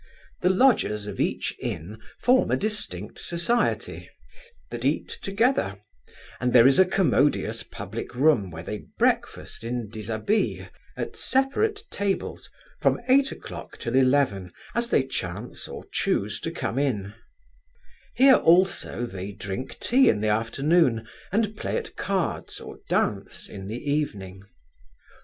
The lodgers of each inn form a distinct society, that eat together; and there is a commodious public room, where they breakfast in disabille, at separate tables, from eight o'clock till eleven, as they chance or chuse to come in Here also they drink tea in the afternoon, and play at cards or dance in the evening.